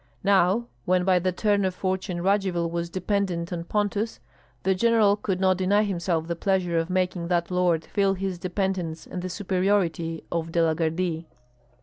Now, when by the turn of fortune Radzivill was dependent on Pontus, the general could not deny himself the pleasure of making that lord feel his dependence and the superiority of De la Gardie.